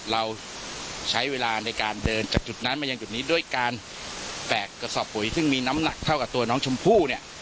เราใช้เวลาในการเดินจากจุดนั้นมายังจุดนี้ด้วยการแตกกระสอบปุ๋ยซึ่งมีน้ำหนักเท่ากับตัวน้องชมพู่เนี่ย